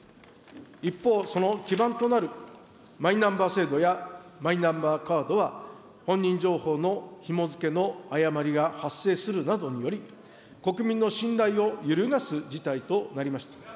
一方、その基盤となるマイナンバー制度やマイナンバーカードは本人情報のひも付けの誤りが発生するなどにより、国民の信頼を揺るがす事態となりました。